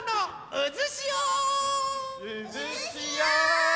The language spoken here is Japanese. うずしお！